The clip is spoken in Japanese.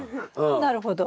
なるほど。